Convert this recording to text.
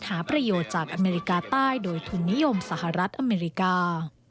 หาประโยชน์จากอเมริกาใต้โดยทุนนิยมสหรัฐอเมริกา